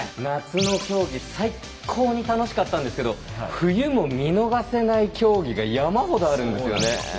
夏の競技最高に楽しかったんですけど冬も見逃せない競技が山ほどあるんですよね。